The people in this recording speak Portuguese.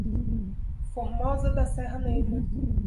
Formosa da Serra Negra